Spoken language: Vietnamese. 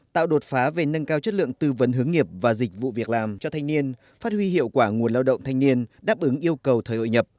tạo đột phá về nâng cao chất lượng tư vấn hướng nghiệp và dịch vụ việc làm cho thanh niên phát huy hiệu quả nguồn lao động thanh niên đáp ứng yêu cầu thời hội nhập